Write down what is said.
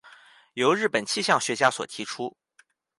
由日本气象学家所提出。